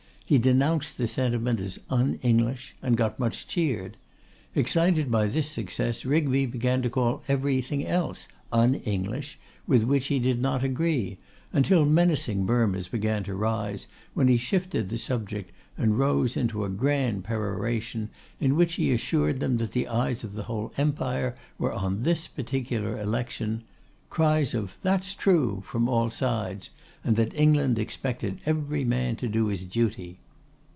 He denounced the sentiment as 'un English,' and got much cheered. Excited by this success, Rigby began to call everything else 'un English' with which he did not agree, until menacing murmurs began to rise, when he shifted the subject, and rose into a grand peroration, in which he assured them that the eyes of the whole empire were on this particular election; cries of 'That's true,' from all sides; and that England expected every man to do his duty.